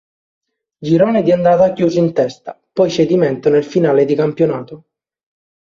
Girone di andata chiuso in testa, poi cedimento nel finale di campionato.